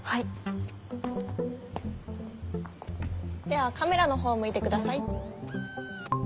ではカメラの方を向いてください。